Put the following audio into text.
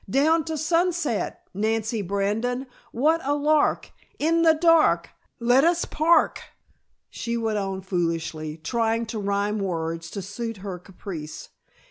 Down to Sunset! Nancy Brandon, what a lark! In the dark! Let us park!" she went on foolishly, trying to rhyme words to suit her caprice.